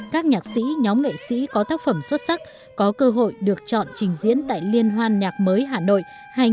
các nhạc sĩ nhóm nghệ sĩ có tác phẩm xuất sắc có cơ hội được chọn trình diễn tại liên hoan nhạc mới hà nội hai nghìn hai mươi